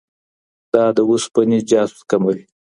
دا د اوسپنې جذب کموي.